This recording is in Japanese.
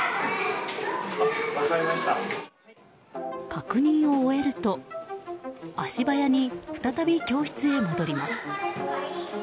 確認を終えると足早に再び教室へ戻ります。